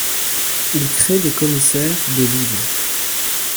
Il crée des commissaires des vivres.